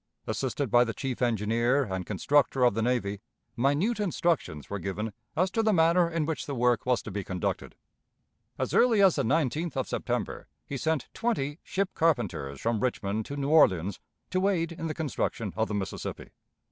Assisted by the chief engineer and constructor of the navy, minute instructions were given as to the manner in which the work was to be conducted. As early as the 19th of September he sent twenty ship carpenters from Richmond to New Orleans to aid in the construction of the Mississippi.